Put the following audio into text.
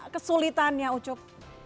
kesulitan ya ucup